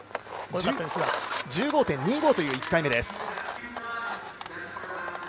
劉佳宇は１５．２５という１回目です。